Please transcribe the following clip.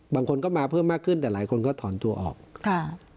บางคนก็มาเพิ่มมากขึ้นแต่หลายคนก็ถอนตัวออกค่ะ